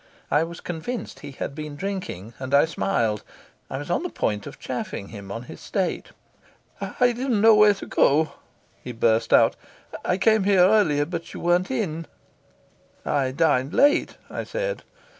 I was convinced he had been drinking, and I smiled. I was on the point of chaffing him on his state. "I didn't know where to go," he burst out. "I came here earlier, but you weren't in." "I dined late," I said.